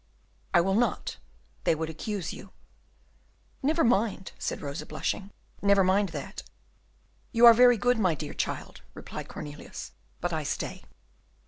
"I will not, they would accuse you." "Never mind," said Rosa, blushing, "never mind that." "You are very good, my dear child," replied Cornelius, "but I stay."